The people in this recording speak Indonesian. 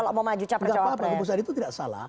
kalau mau maju capricawapnya